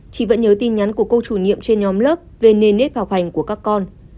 chị vẫn nhớ tin nhắn của cô chủ nhiệm trên nhóm lớp về nền nếp học hành của các con